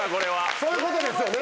そういうことですよね。